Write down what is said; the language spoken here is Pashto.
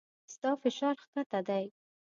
ستا فشار کښته دی